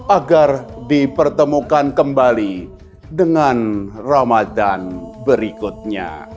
agar dipertemukan kembali dengan ramadan berikutnya